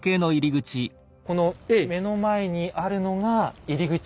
この目の前にあるのが入口。